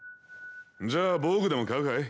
じゃあ防具でも買うかい？